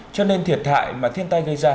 cho nên thiệt hại mà thiên tai gây ra